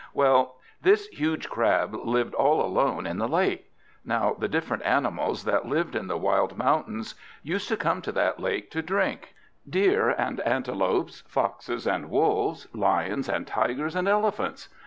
Well, this huge Crab lived all alone in the lake. Now the different animals that lived in the wild mountains used to come to that lake to drink; deer and antelopes, foxes and wolves, lions and tigers and elephants.